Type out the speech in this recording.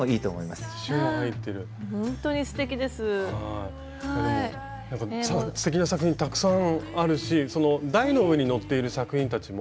すてきな作品たくさんあるしその台の上にのっている作品たちも。